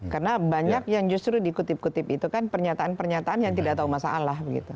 karena banyak yang justru dikutip kutip itu kan pernyataan pernyataan yang tidak tahu masalah